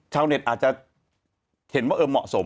ชาวเน็ตอาจจะเห็นว่าเออเหมาะสม